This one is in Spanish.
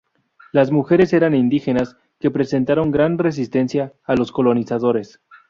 Las mujeres eran indígenas, que presentaron gran resistencia a los colonizadores.